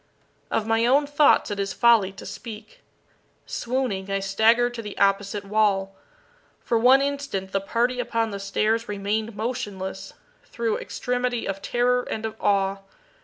Of my own thoughts it is folly to speak. Swooning, I staggered to the opposite wall. For one instant the party upon the stairs remained motionless, through extremity of terror and of awe.